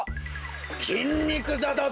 きんにくざだぞ！